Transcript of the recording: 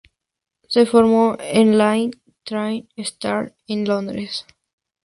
Se formó en Laine Theatre Arts en Londres.